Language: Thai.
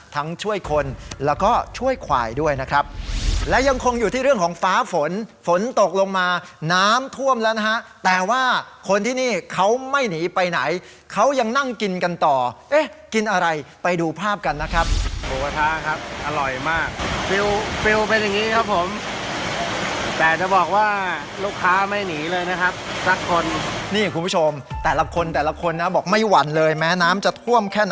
ช่วยคนแล้วก็ช่วยควายด้วยนะครับและยังคงอยู่ที่เรื่องของฟ้าฝนฝนตกลงมาน้ำท่วมแล้วนะฮะแต่ว่าคนที่นี่เขาไม่หนีไปไหนเขายังนั่งกินกันต่อเอ๊ะกินอะไรไปดูภาพกันนะครับหมูกระทะครับอร่อยมากฟิลฟิวเป็นอย่างงี้ครับผมแต่จะบอกว่าลูกค้าไม่หนีเลยนะครับสักคนนี่คุณผู้ชมแต่ละคนแต่ละคนนะบอกไม่หวั่นเลยแม้น้ำจะท่วมแค่